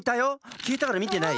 きえたからみてない？